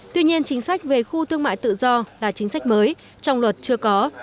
tuy nhiên chính sách về khu thương mại tự do là chính sách mới trong luật chưa có